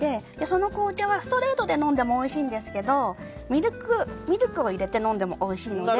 その紅茶はストレートで飲んでもおいしいんですがミルクを入れて飲んでもおいしいので。